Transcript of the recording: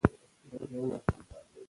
که پر کشرانو رحم وکړو نو سختي نه راځي.